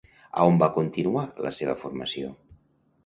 A on va continuar la seva formació?